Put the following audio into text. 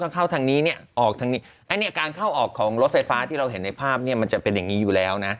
เข้าทางนี้เนี่ยออกทางนี้อันนี้การเข้าออกของรถไฟฟ้าที่เราเห็นในภาพเนี่ยมันจะเป็นอย่างนี้อยู่แล้วนะ